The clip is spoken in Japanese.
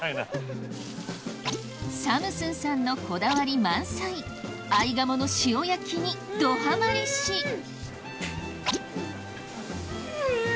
サムスンさんのこだわり満載合鴨の塩焼きにどハマりしうん！